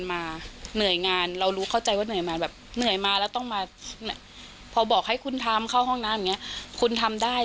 บางทีแบบมันตีเกินไป